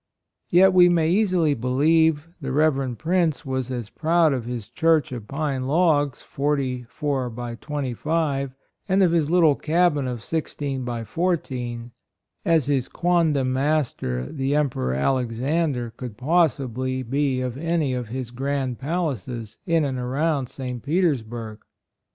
Yet, we may easily believe the Rev. Prince was as proud of his Church of pine logs, forty four by twenty five, and of his little cabin of sixteen by fourteen, as his quondam master, the Em peror Alexander, could possibly be of any of his grand palaces in and around St. Petersburg.